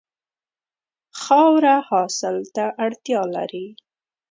خاوره حاصل ته اړتیا لري.